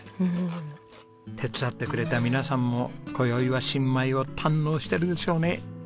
手伝ってくれた皆さんも今宵は新米を堪能してるでしょうね。